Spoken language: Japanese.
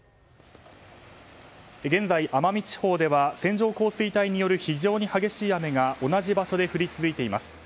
現在、奄美地方では線状降水帯による非常に激しい雨が同じ場所で降り続いています。